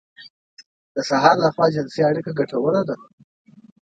د سهار لخوا جنسي اړيکه ګټوره ده.